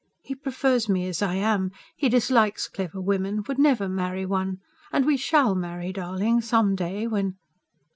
He prefers me as I am. He dislikes clever women ... would never marry one. And we SHALL marry, darling, some day when